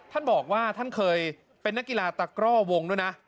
ท่านบอกว่าท่านเคยเป็นนักกีฬาตะกร่อวงด้วยนะ